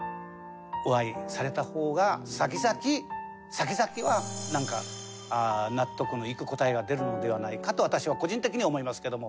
お会いされたほうが先々先々は納得のいく答えが出るのではないかと私は個人的には思いますけども。